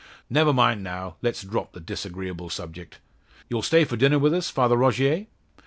"Never mind, now; let's drop the disagreeable subject. You'll stay to dinner with us, Father Rogier?"